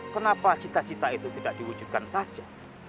kenapa cita cita itu tidak diwujudkan saja